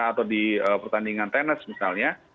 atau di pertandingan tenis misalnya